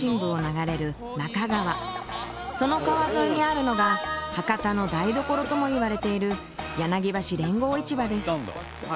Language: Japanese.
その川沿いにあるのが博多の台所ともいわれている柳橋連合市場です。